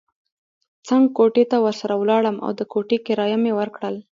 څنګ کوټې ته ورسره ولاړم او د کوټې کرایه مې ورکړل.